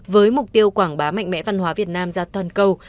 với mục tiêu quảng bá mạnh mẽ văn hóa việt nam ra toàn cầu